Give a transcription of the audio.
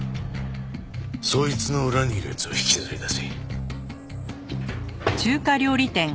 そいつの裏にいる奴を引きずり出せ。